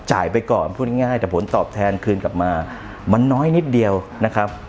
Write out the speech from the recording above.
ไปก่อนพูดง่ายแต่ผลตอบแทนคืนกลับมามันน้อยนิดเดียวนะครับ